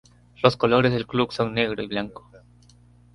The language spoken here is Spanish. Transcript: Los colores del club son negro y blanco.